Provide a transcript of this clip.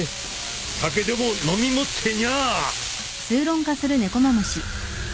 酒でも飲みもってにゃあ。